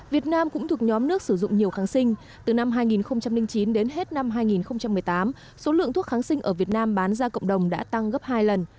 việt nam cũng thuộc nhóm nước sử dụng nhiều kháng sinh từ năm hai nghìn chín đến hết năm hai nghìn một mươi tám số lượng thuốc kháng sinh ở việt nam bán ra cộng đồng đã tăng gấp hai lần